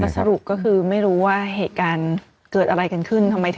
สรุปก็คือไม่รู้ว่าเหตุการณ์เกิดอะไรกันขึ้นทำไมถึง